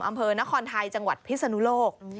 อำเภอนครไทยจังหวัดพิศนุโลก